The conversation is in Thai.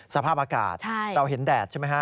สภาพอากาศเราเห็นแดดใช่ไหมฮะ